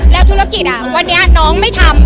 แล้วธุรกิจวันนี้น้องไม่ทำ